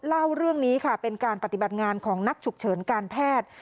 เล่าเรื่องนี้ค่ะเป็นการปฏิบัติงานของนักฉุกเฉินการแพทย์